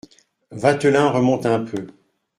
Vatelin remonte un peu.